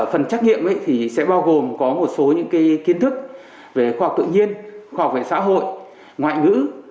phần trắc nghiệm sẽ bao gồm có một số những kiến thức về khoa học tự nhiên khoa học về xã hội ngoại ngữ